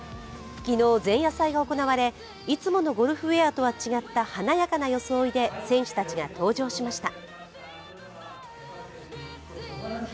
昨日前夜祭が行われいつものゴルフウエアとは違った華やかな装いで選手たちが登場しました。